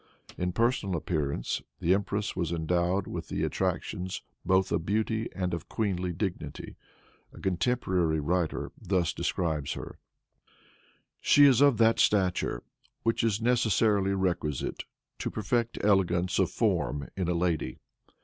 In personal appearance the empress was endowed with the attractions both of beauty and of queenly dignity. A cotemporary writer thus describes her: "She is of that stature which is necessarily requisite to perfect elegance of form in a lady.